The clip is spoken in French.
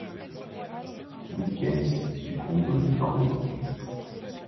Wilckens succombe le lendemain.